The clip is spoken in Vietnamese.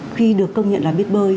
khi được công nhận là biết bơi